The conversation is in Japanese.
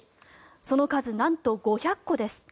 その数、なんと５００個です。